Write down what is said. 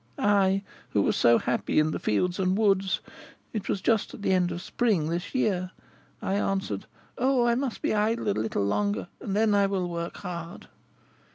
I, who was so happy in the fields and the woods, it was just at the end of spring, this year, I answered, 'Oh, I must be idle a little longer, and then I will work hard.'